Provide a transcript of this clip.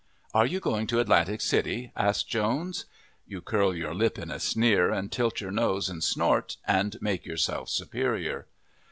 "Are you going to Atlantic City?" asks Jones. You curl your lip in a sneer and tilt your nose and snort, and make yourself superior.